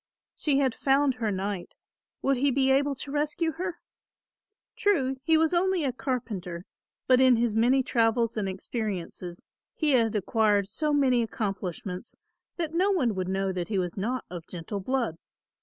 She had found her knight; would he be able to rescue her? True, he was only a carpenter, but in his many travels and experiences he had acquired so many accomplishments that no one would know that he was not of gentle blood.